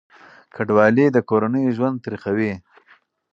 کډوالي د کورنیو ژوند تریخوي.